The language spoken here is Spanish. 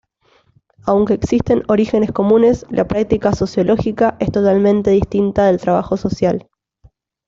Aunque existen orígenes comunes, la práctica sociológica es totalmente distinta del trabajo social.